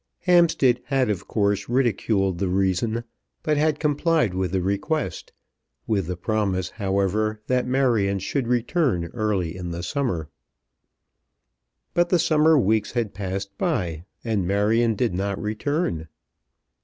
Hampstead had of course ridiculed the reason, but had complied with the request, with the promise, however, that Marion should return early in the summer. But the summer weeks had passed by, and Marion did not return.